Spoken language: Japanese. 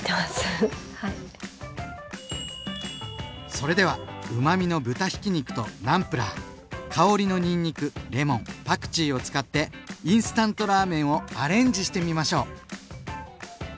それではうまみの豚ひき肉とナムプラー香りのにんにくレモンパクチーを使ってインスタントラーメンをアレンジしてみましょう！